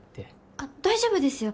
あっ大丈夫ですよ。